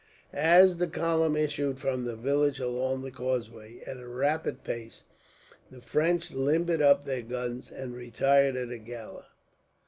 As the column issued from the village along the causeway, at a rapid pace, the French limbered up their guns and retired at a gallop.